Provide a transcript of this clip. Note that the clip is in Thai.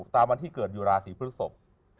ตามวันที่เกิดอยู่ราศีพฤศพ